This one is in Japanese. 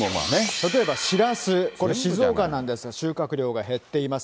例えばシラス、これ、静岡なんですが、収穫量が減っています。